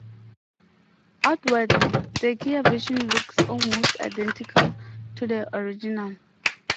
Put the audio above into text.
Outwardly, the Kia version looks almost identical to the original.